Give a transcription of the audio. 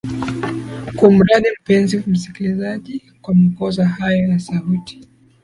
kumradhi mpenzi msikilizaji kwa makosa hayo ya sauti